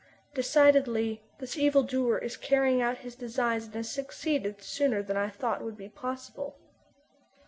Decidedly, this evildoer is carrying out his designs and has succeeded sooner than I thought would be possible.